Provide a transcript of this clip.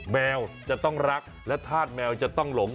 แมวจะต้องรักและธาตุแมวจะต้องหลง